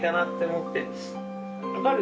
分かる。